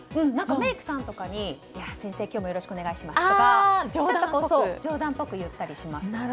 メイクさんとかに先生、今日もよろしくお願いしますとか冗談っぽく言ったりします。